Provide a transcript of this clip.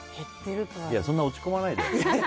そんな落ち込まないでよ。